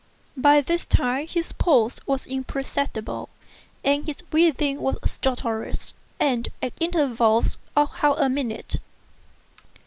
By this time his pulse was imperceptible and his breathing was stertorous, and at intervals of half a minute.